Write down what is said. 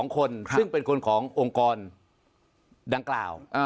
๒คนซึ่งเป็นคนขององค์กรดังกล่าว